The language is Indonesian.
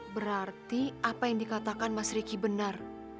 berarti apa yang dikatakan mas riki benar